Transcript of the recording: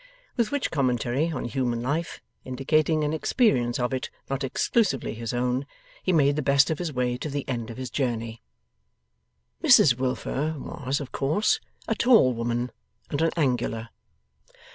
With which commentary on human life, indicating an experience of it not exclusively his own, he made the best of his way to the end of his journey. Mrs Wilfer was, of course, a tall woman and an angular.